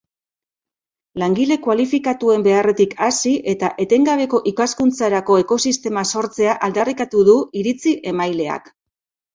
Langile kualifikatuen beharretik hasi, eta etengabeko ikaskuntzarako ekosistema sortzea aldarrikatu du iritzi-emaileak.